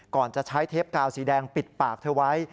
ก่อนจะใช้เทปกาวสีแดงปิดปากเธอไว้